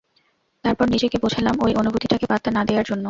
তারপর নিজেকে বোঝালাম, ঐ অনুভূতিটাকে পাত্তা না দেয়ার জন্য।